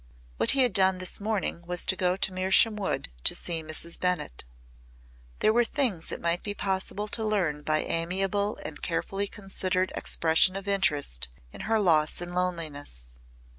What he had done this morning was to go to Mersham Wood to see Mrs. Bennett. There were things it might be possible to learn by amiable and carefully considered expression of interest in her loss and loneliness.